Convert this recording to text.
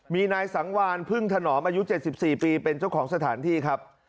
มีนายสังวานพึ่งถนอมอายุ๗๔ปีเป็นเจ้าของสถานที่ครับ